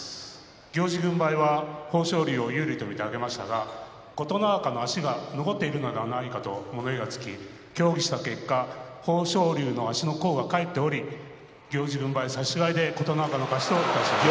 行司軍配は豊昇龍を有利と見て上げましたが琴ノ若の足が残っているのではないかと物言いがつき協議した結果豊昇龍の足の甲が返っており行司軍配差し違えで琴ノ若の勝ちといたします。